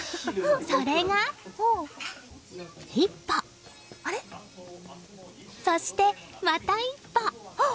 それが１歩、そしてまた１歩。